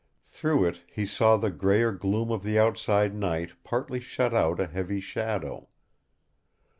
Through it he saw the grayer gloom of the outside night partly shut out a heavy shadow.